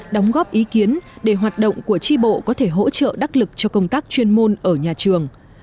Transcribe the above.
đóng góp ý kiến để hoạt động của tri bộ có thể hỗ trợ đắc lực cho công tác chuyên môn ở nhà trường